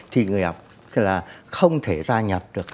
thì người học không thể gia nhập được